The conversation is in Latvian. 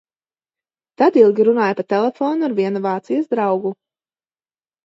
Tad ilgi runāju pa telefonu ar vienu Vācijas draugu.